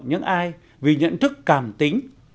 những ai vì nhận thức càm tính